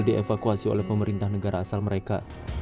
dievakuasi oleh pemerintah negara asal mereka